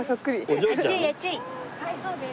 はいそうです。